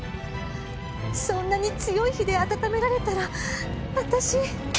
そんなに強い火で温められたら私。